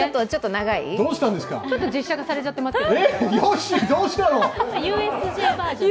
ちょっと実写化されてますけど。